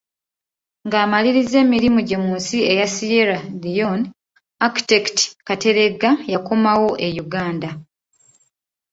Ng’amalirizza emirimu gye mu nsi eya Sierra Leone, Architect Kateregga yakomawo e Uganda.